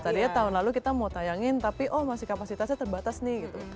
tadinya tahun lalu kita mau tayangin tapi oh masih kapasitasnya terbatas nih gitu